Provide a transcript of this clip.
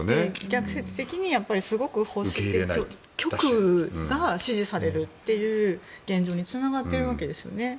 逆説的にすごく保守的、極右が支持されるという現状につながっているわけですよね。